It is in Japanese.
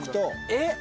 えっ！